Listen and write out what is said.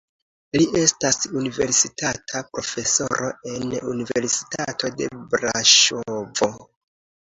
Li estas universitata profesoro en Universitato de Braŝovo.